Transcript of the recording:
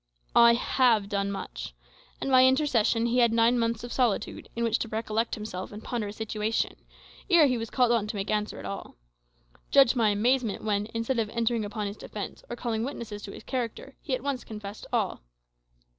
"I have done much. At my intercession he had nine months of solitude, in which to recollect himself and ponder his situation, ere he was called on to make answer at all. Judge my amazement when, instead of entering upon his defence, or calling witnesses to his character, he at once confessed all.